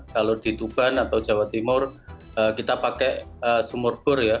kalau di tuban atau jawa timur kita pakai sumur bor ya